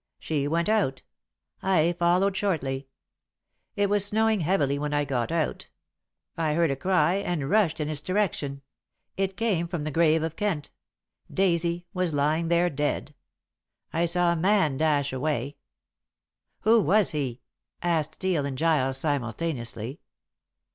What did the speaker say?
She went out. I followed shortly. It was snowing heavily when I got out. I heard a cry, and rushed in its direction. It came from the grave of Kent. Daisy was lying there dead. I saw a man dash away " "Who was he?" asked Steel and Giles simultaneously.